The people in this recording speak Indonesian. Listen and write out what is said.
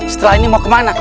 setelah ini mau kemana